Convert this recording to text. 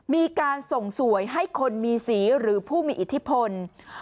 มีการส่งสวยให้คนมีสีหรือผู้มีอิทธิพล